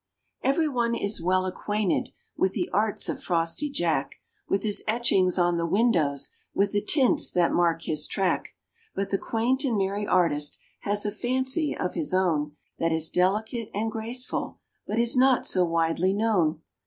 Everyone is well acquainted With the arts of Frosty Jack— With his etchings on the windows, With the tints that mark his track; But the quaint and merry artist Has a fancy of his own That is delicate and graceful, But is not so widely known.